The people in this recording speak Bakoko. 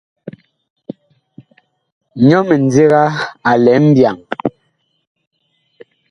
Nyɔ mindiga a lɛ mbyaŋ.